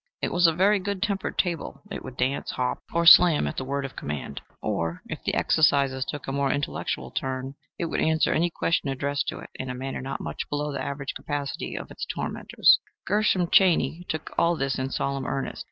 It was a very good tempered table: it would dance, hop or slam at the word of command, or, if the exercises took a more intellectual turn, it would answer any questions addressed to it in a manner not much below the average capacity of its tormentors. Gershom Chaney took all this in solemn earnest.